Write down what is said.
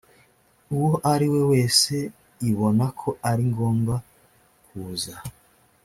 uwo ariwe wese ibona ko ari ngombwa kuza